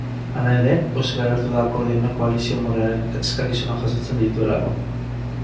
Hala ere, pozik agertu da akordio honek koalizio morearen eskakizunak jasotzen dituelako.